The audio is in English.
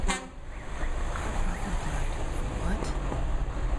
Karpov replied From what?